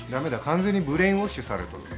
完全にブレインウォッシュされとる。